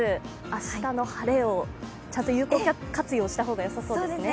明日の晴れを有効活用したほうがよさそうですね。